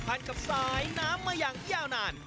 ผูกพันกับสายน้ำมาอย่างย่าวนาน